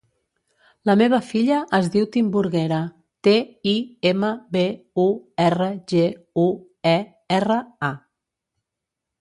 La meva filla es diu Timburguera: te, i, ema, be, u, erra, ge, u, e, erra, a.